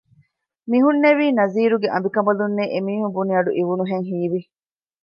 މިހުންނެވީ ނަޒީރުގެ އަނބިކަންބަލުންނޭ އެމީހުން ބުނި އަޑު އިވުނުހެން ހީވި